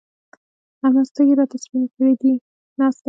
احمد سترګې راته سپينې کړې دي؛ ناست دی.